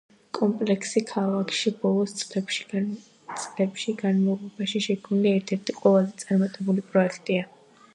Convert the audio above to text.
კომპლექსი ქალაქში ბოლო წლებში განმავლობაში შექმნილი ერთ-ერთი ყველაზე წარმატებული პროექტია.